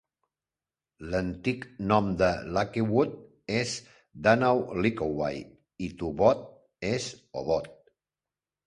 L'antic nom de Lakewood és Danaw Likowai, i Tubod és Obod.